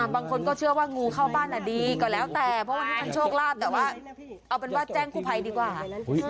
เป็นโชคลาดแต่ว่าเอาเป็นว่าแจ้งคู่ภัยดีกว่า